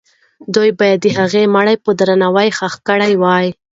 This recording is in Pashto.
دوی باید د هغې مړی په درناوي ښخ کړی وای.